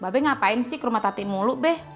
babe ngapain sih kerumah tati mulu be